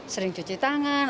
sering cuci tangan